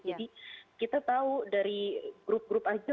jadi kita tahu dari grup grup saja